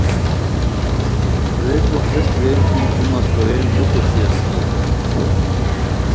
ریکو ہیس ریر کی تو مہ سورین نوکوسی اسیتاؤ،